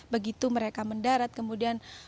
begitu mereka mendarat kemudian